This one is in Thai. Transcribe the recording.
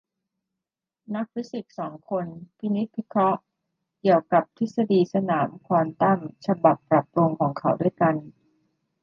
นักฟิสิกส์สองคนพินิจพิเคราะห์เกี่ยวกับทฤษฎีสนามควอนตัมฉบับปรับปรุงของเขาด้วยกัน